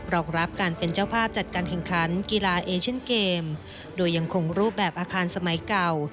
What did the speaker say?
รองรับการเป็นเจ้าภาพจัดการแข่งขันกีฬาเอเชนเกมโดยยังคงรูปแบบอาคารสมัยเก่า